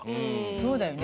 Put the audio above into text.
そうだよね。